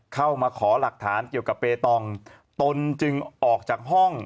เข้ามาขอหลักฐานเกี่ยวกับเปตองตนจึงออกจากห้อง